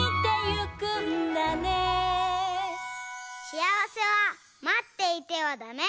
しあわせはまっていてはダメ！